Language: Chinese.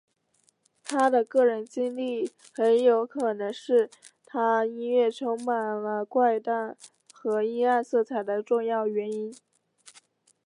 他的个人经历很有可能是他音乐充满了怪诞和阴暗色彩的重要原因。